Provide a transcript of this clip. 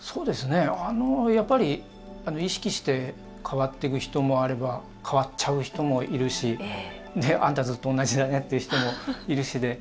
やっぱり意識して変わっていく人もあれば変わっちゃう人もいるしあんたずっと同じだねという人もいるしで。